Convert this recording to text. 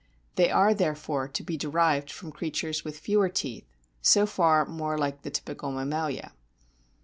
They are, therefore, to be derived from creatures with fewer teeth, so far more like the typical mammalia.